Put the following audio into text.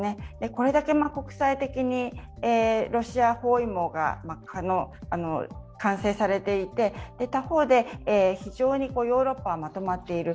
これだけ国際的にロシア包囲網が完成されていて、他方で非常にヨーロッパはまとまっている。